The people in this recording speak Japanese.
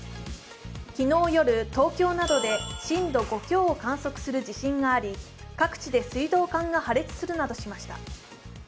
昨日夜、東京などで震度５強を観測する地震があり各地で水道管が破裂するなどしました。